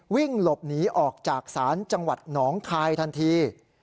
วิ่งหลบหนีออกจากศาลจังหวัดหนองคายทันที